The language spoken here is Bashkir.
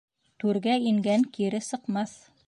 Түргә ингән кире сыҡмаҫ.